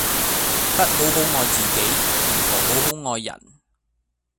不好好愛自己如何好好愛人